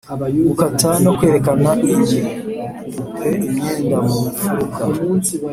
gukata no kwerekana ibipupe-imyenda mu mfuruka.